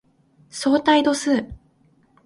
相対度数